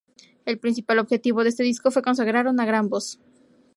El principal objetivo de este disco fue consagrar una gran voz.